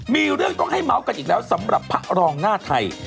มีเรื่องต้องให้เมาส์กันอีกแล้วสำหรับพระรองหน้าไทย